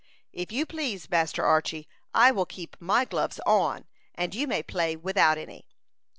"If you please, Master Archy, I will keep my gloves on, and you may play without any."